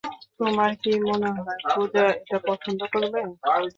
তোমার কি মনে হয়, পূজা এটা পছন্দ করবে?